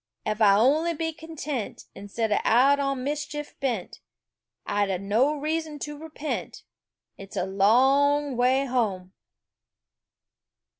If Ah had only been content Instead of out on mischief bent, Ah'd have no reason to repent It's a long way home!"